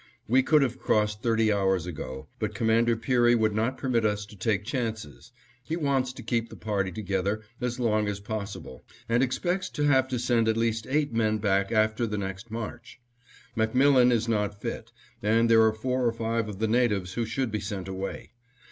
We could have crossed thirty hours ago, but Commander Peary would not permit us to take chances; he wants to keep the party together as long as possible, and expects to have to send at least eight men back after the next march. MacMillan is not fit, and there are four or five of the natives who should be sent away.